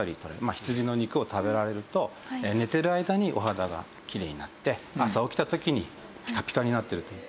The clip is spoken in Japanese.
羊の肉を食べられると寝てる間にお肌がきれいになって朝起きた時にピカピカになってる。